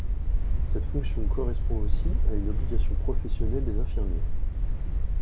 Cette fonction correspond aussi à une obligation professionnelle des infirmiers.